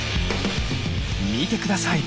見てください。